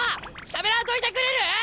しゃべらんといてくれる！？